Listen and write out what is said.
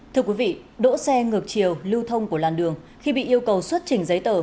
thưa quý vị đỗ xe ngược chiều lưu thông của làn đường khi bị yêu cầu xuất trình giấy tờ